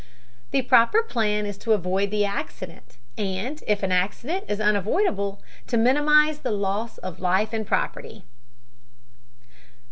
"The proper plan is to avoid the accident, and if an accident is unavoidable to minimize the loss of life and property."